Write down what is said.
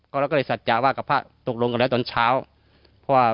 ก็เราก็เลยสัจจาว่ากับพระตกลงกันแล้วตอนเช้าเพราะว่า